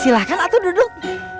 silahkan atu duduk